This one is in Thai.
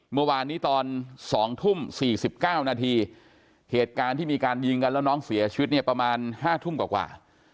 เมื่อวานนี้ตอน๒ทุ่ม๔๙นาทีเหตุการณ์ที่มีการยิงกันแล้วน้องเสียชีวิตเนี่ยประมาณ๕ทุ่มกว่า